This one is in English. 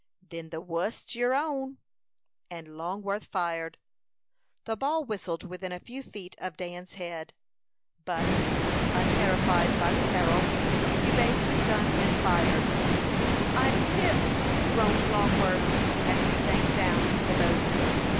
"Then the wust's your own;" and Longworth fired. The ball whistled within a few feet of Dan's head; but, unterrified by the peril, he raised his gun and fired. "I'm hit!" groaned Longworth, as he sank down into the boat.